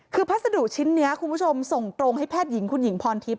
คุณผู้ชมส่งตรงให้แพทย์หญิงคุณหญิงพอลทิศ